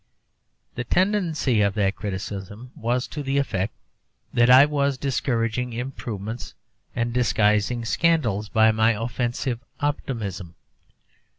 The tendency of that criticism was to the effect that I was discouraging improvement and disguising scandals by my offensive optimism.